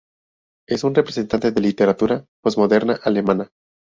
Es un representante de la literatura posmoderna alemana.